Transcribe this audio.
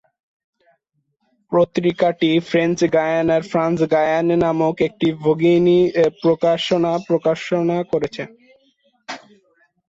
পত্রিকাটির French গায়ানায়, "France Guyane" নামক একটি ভগিনী প্রকাশনা প্রকাশনা রয়েছে।